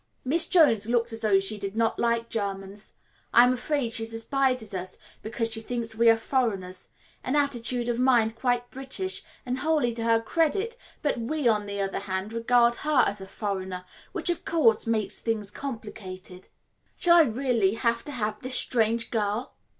Miss Jones looked as though she did not like Germans. I am afraid she despises us because she thinks we are foreigners an attitude of mind quite British and wholly to her credit; but we, on the other hand, regard her as a foreigner, which, of course, makes things complicated. "Shall I really have to have this strange girl?"